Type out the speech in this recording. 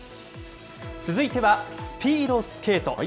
続いてはスピードスケート。